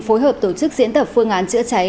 phối hợp tổ chức diễn tập phương án chữa cháy